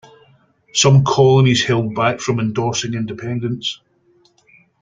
Some colonies held back from endorsing independence.